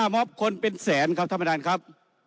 มอบคนเป็นแสนครับท่านประธานครับ